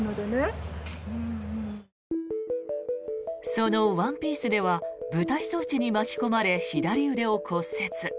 その「ワンピース」では舞台装置に巻き込まれ左腕を骨折。